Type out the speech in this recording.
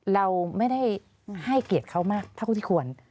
เราไม่ได้ให้เกียรติเขามากเท่าที่ควร